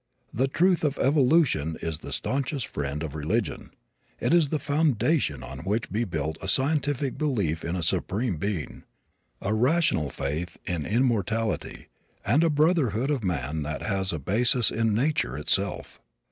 The truth of evolution is the stanchest friend of religion. It is the foundation on which may be built a scientific belief in a Supreme Being, a rational faith in immortality and a brotherhood of man that has a basis in nature itself.